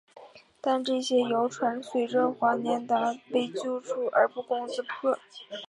但这些谣传随着华年达被救出而不攻自破。